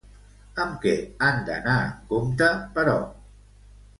Amb què han d'anar amb compte, però?